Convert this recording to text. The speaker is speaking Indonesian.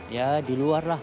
ya di luar lah